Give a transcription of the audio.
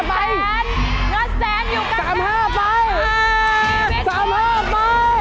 มีหน้าแสนอยู่กันค่ะมานี้ไป๓๕ไป